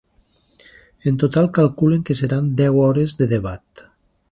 En total calculen que seran deu hores de debat.